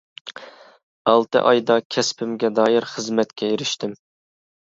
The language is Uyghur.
ئالتە ئايدا كەسپىمگە دائىر خىزمەتكە ئېرىشتىم.